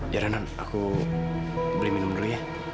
ya udah non aku beli minum dulu ya